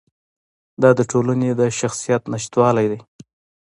دا د ټولنې د شخصیت نشتوالی دی.